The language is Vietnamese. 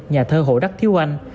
nhà thơ hộ đắc thiếu anh